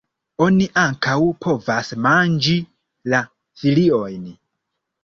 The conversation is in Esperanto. Oni ankaŭ povas manĝi la foliojn.